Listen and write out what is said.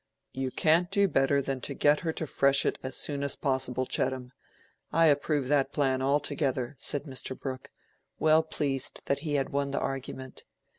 "You can't do better than get her to Freshitt as soon as possible, Chettam. I approve that plan altogether," said Mr. Brooke, well pleased that he had won the argument.